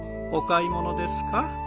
お買い物ですか？